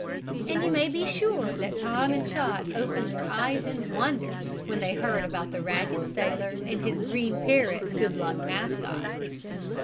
And you may be sure Tom and Chot opened their eyes in wonder when they heard about the ragged sailor and his green parrot good luck mascot.